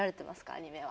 アニメは。